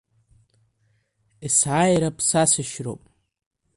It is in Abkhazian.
Есааира ԥсасашьроуп.